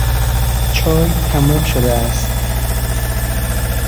چای تمام شده است.